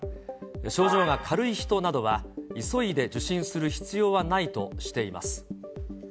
症状が軽い人などは、急いで受診する必要はないとしています。